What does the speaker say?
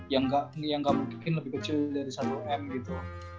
yang nggak mungkin lebih kecil dari satu m gitu